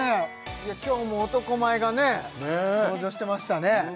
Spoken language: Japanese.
今日も男前がね登場してましたね